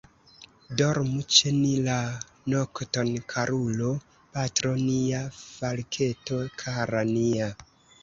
Dormu ĉe ni la nokton, karulo, patro nia, falketo kara nia.